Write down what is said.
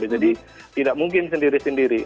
jadi tidak mungkin sendiri sendiri